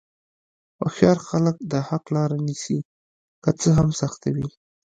هوښیار خلک د حق لاره نیسي، که څه هم سخته وي.